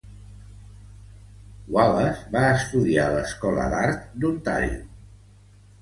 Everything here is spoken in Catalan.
Wallace va estudiar a l'escola d'art d'Ontario.